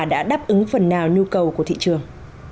đã đáp ứng phần nào nhu cầu của thị trường